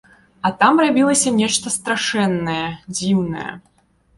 А там рабілася нешта страшэннае, дзіўнае.